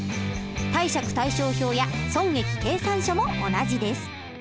貸借対照表や損益計算書も同じです。